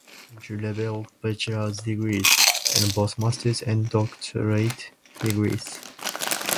It offers entry level bachelor's degrees and both Masters and Doctorate degrees.